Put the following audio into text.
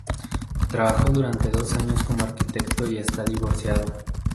Trabajó durante dos años como arquitecto y está divorciado.